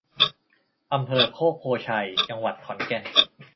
อำเภอโคกโพธิ์ไชย จังหวัดขอนแก่น